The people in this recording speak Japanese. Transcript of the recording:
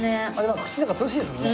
口の中涼しいですもんね。